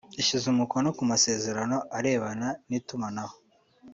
yashyize umukono ku masezerano arebana n’itumanaho